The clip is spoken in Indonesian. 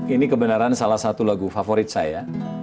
ini kebenaran salah satu lagu favorit saya